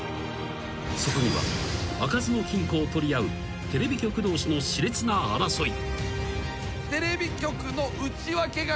［そこには開かずの金庫を取り合うテレビ局同士の熾烈な争い］